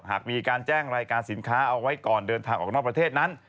หากมีการแจ้งรายการสินค้าเอาไว้ก่อนเดินทางออกนอกประเทศนั้น